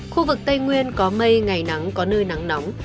khu vực tây nguyên có mây ngày nắng có nơi nắng nóng